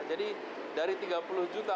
jadi dari tiga puluh juta